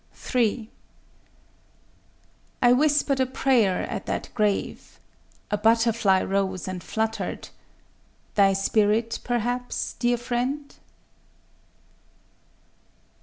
_ _(3)I whispered a prayer at the grave: a butterfly rose and fluttered— Thy spirit, perhaps, dear friend!